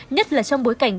nhất là trong bối cảnh